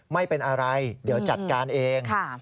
ไม่เป็นอะไรเดี๋ยวจัดการเอง